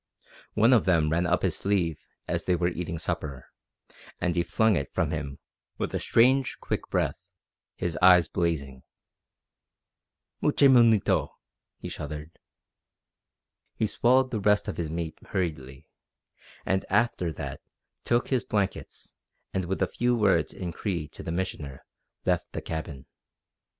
One of them ran up his sleeve as they were eating supper, and he flung it from him with a strange, quick breath, his eyes blazing. "Muche Munito!" he shuddered. He swallowed the rest of his meat hurriedly, and after that took his blankets, and with a few words in Cree to the Missioner left the cabin.